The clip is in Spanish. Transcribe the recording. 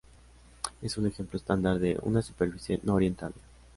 Es un ejemplo estándar de una superficie no orientable.